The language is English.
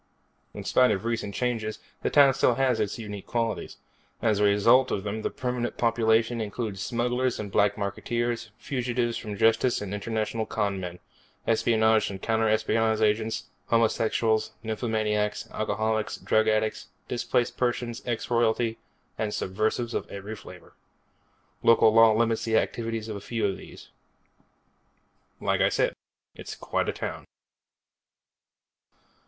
In spite of recent changes, the town still has its unique qualities. As a result of them the permanent population includes smugglers and black marketeers, fugitives from justice and international con men, espionage and counter espionage agents, homosexuals, nymphomaniacs, alcoholics, drug addicts, displaced persons, ex royalty, and subversives of every flavor. Local law limits the activities of few of these. Like I said, it's quite a town.